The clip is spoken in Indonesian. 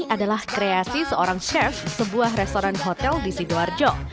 adalah kreasi seorang chef sebuah restoran hotel di sidoarjo